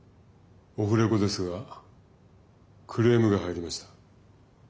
オフレコですがクレームが入りました。